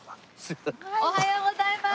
おはようございます！